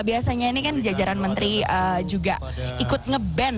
biasanya ini kan jajaran menteri juga ikut nge ban